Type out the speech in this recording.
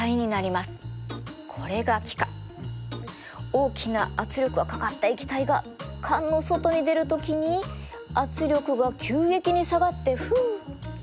大きな圧力がかかった液体が缶の外に出る時に圧力が急激に下がってふっ気化します。